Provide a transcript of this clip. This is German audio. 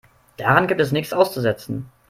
Daran gibt es nichts auszusetzen.